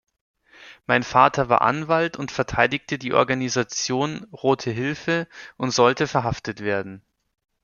Mein Vater war Anwalt und verteidigte die Organisation "Rote Hilfe" und sollte verhaftet werden.